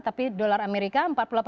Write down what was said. tapi dolar amerika